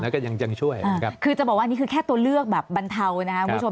ก็ยังช่วยคือจะบอกว่าอันนี้คือแค่ตัวเลือกแบบบรรเทานะคุณผู้ชม